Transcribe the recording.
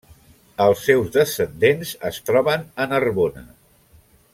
Els seus descendents es troben a Narbona.